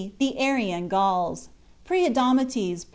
The Aryan Gauls." ("Preadamites," p.